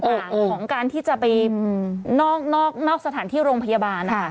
ต่างของการที่จะไปนอกสถานที่โรงพยาบาลนะคะ